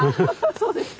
そうですか。